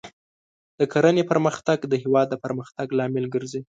د کرنې پرمختګ د هېواد د پرمختګ لامل ګرځي.